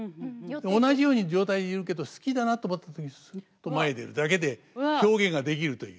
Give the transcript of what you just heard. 同じような状態でいるけど好きだなと思った時にすっと前へ出るだけで表現ができるという。